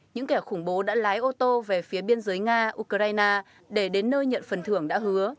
những kẻ khủng bố đã lái ô tô về phía biên giới nga ukraine để đến nơi nhận phần thưởng đã hứa